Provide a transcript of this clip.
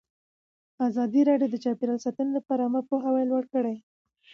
ازادي راډیو د چاپیریال ساتنه لپاره عامه پوهاوي لوړ کړی.